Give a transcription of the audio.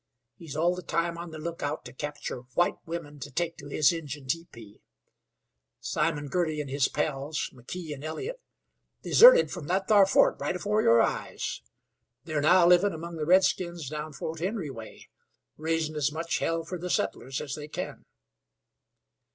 He's all the time on the lookout to capture white wimen to take to his Injun teepee. Simon Girty and his pals, McKee and Elliott, deserted from that thar fort right afore yer eyes. They're now livin' among the redskins down Fort Henry way, raisin' as much hell fer the settlers as they kin."